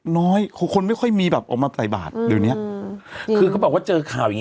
น้อยคนไม่ค่อยมีแบบออกมาใส่บาทอืมอืมคือเขาบอกว่าเจอข่าวอย่างงี้